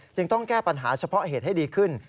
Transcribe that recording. ต้องแก้ปัญหาเฉพาะเหตุให้ดีขึ้น